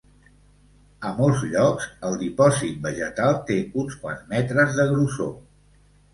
A molts llocs, el dipòsit vegetal té uns quants metres de grossor.